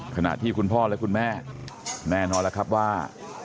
ขณะที่คุณพ่อและคุณแม่แน่นอนแล้วครับว่า